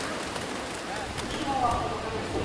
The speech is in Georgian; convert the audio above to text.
ცნობილი გახდა კარას როლით ტელესერიალში „ლეგენდა მაძიებელზე“.